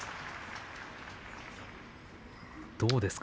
どうですか？